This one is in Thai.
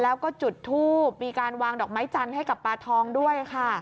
แล้วก็จุดทูบมีการวางดอกไม้จันทร์ให้กับปลาทองด้วยค่ะ